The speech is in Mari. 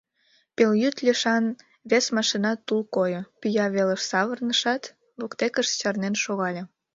Пелйӱд лишан вес машина тул койо, пӱя велыш савырнышат, воктекышт чарнен шогале.